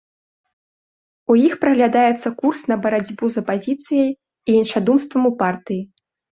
У іх праглядаецца курс на барацьбу з апазіцыяй і іншадумствам у партыі.